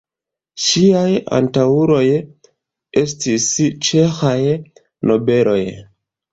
Ŝiaj antaŭuloj estis ĉeĥaj nobeloj.